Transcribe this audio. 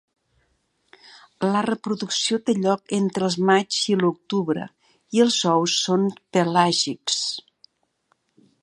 La reproducció té lloc entre el maig i l'octubre, i els ous són pelàgics.